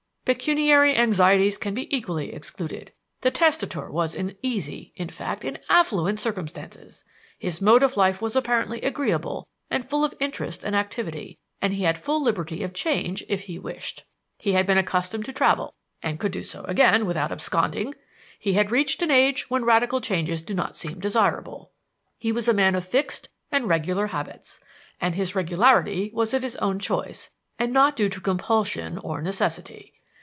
Pecuniary anxieties can be equally excluded. The testator was in easy, in fact, in affluent circumstances. His mode of life was apparently agreeable and full of interest and activity, and he had full liberty of change if he wished. He had been accustomed to travel, and could do so again without absconding. He had reached an age when radical changes do not seem desirable. He was a man of fixed and regular habits, and his regularity was of his own choice and not due to compulsion or necessity.